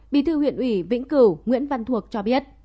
bí thư huyện ủy vĩnh cửu nguyễn văn thuộc cho biết